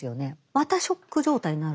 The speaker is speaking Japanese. またショック状態になるわけです。